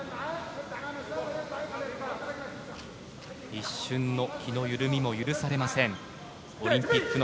一瞬の気の緩みも許されません。